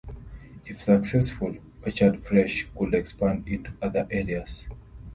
If successful, Orchard Fresh could expand into other areas.